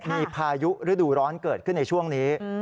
มีพายุฤดูร้อนเกิดขึ้นในช่วงนี้